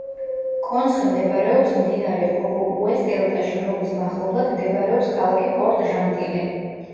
კონცხი მდებარეობს მდინარე ოგოუეს დელტაში, რომლის მახლობლად მდებარეობს ქალაქი პორტ-ჟანტილი.